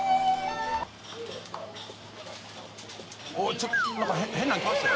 ちょっと何か変なの来ましたよ。